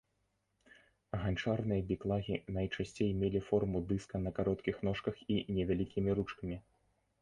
Ганчарныя біклагі найчасцей мелі форму дыска на кароткіх ножках і невялікімі ручкамі.